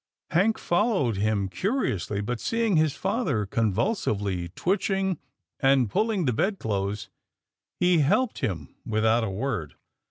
Hank followed him curiously, but, seeing his father convulsively twitching and pulling the bed clothes, he helped him without a word.